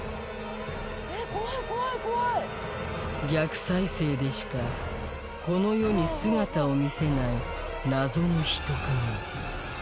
逆再生でしかこの世に姿を見せない謎の人影